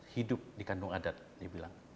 hidup dikandung adat dia bilang